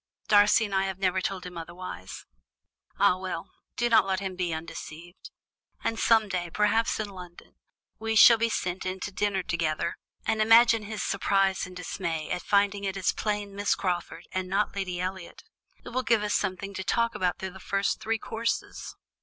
Darcy and I have never told him otherwise." "Ah, well, do not let him be undeceived; and some day, perhaps in London, we shall be sent in to dinner together, and imagine his surprise and dismay at finding it is plain Miss Crawford, and not Lady Elliot! It will give us something to talk about through the first three courses.